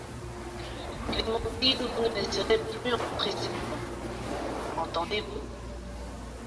Clémentine, vous ne laisserez plus entrer cet homme, entendez-vous ?